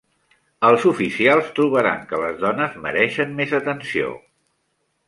Els oficials trobaran que les dones mereixen més atenció.